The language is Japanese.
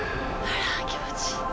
「あら気持ちいい」